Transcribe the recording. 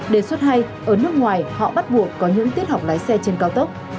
đề xuất hay ở nước ngoài họ bắt buộc có những tiết học lái xe trên cao tốc